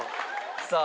さあ